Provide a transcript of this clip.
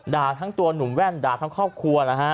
ทั้งตัวหนุ่มแว่นด่าทั้งครอบครัวนะฮะ